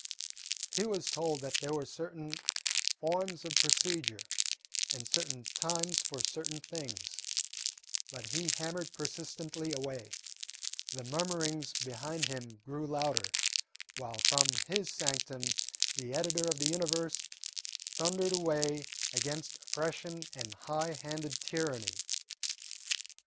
He was told that there were certain forms of procedure, and certain times for certain things, but he hammered persistently away, the murmurings behind him grew louder, while from his sanctum the editor of the Universe thundered away against oppression and high handed tyranny.